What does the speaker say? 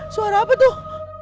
suara apa tuh